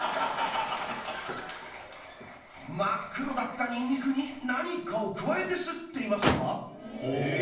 真っ黒だったニンニクに何かを加えてすっていますがえぇ！